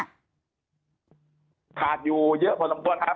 ขาดอยู่เยอะพอสมควรครับ